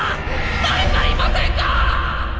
だれかいませんか！